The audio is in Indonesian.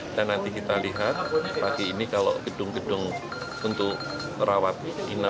dan nanti kita lihat pagi ini kalau gedung gedung untuk merawatnya